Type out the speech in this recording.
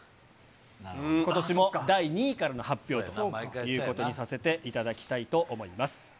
ことしも第２位からの発表ということにさせていただきたいと思います。